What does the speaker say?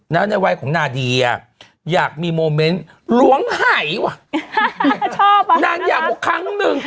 แล้วในวัยของนาเดียอยากมีโมเมนต์หลวงหายว่ะชอบว่ะนางอยากบอกครั้งหนึ่ง